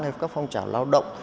hay các phong trào lao động